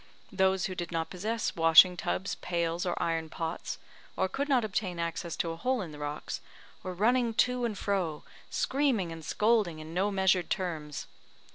Those who did not possess washing tubs, pails, or iron pots, or could not obtain access to a hole in the rocks, were running to and fro, screaming and scolding in no measured terms.